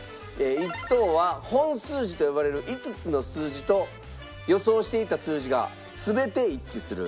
１等は本数字と呼ばれる５つの数字と予想していた数字が全て一致する。